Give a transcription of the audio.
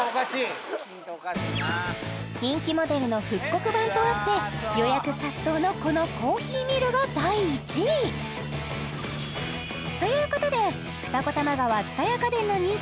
人気モデルの復刻版とあって予約殺到のこのコーヒーミルが第１位ということで二子玉川蔦屋家電の人気